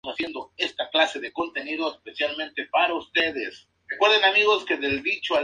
Se cultiva en jardinería como planta ornamental, debido a sus exóticas y aromáticas flores.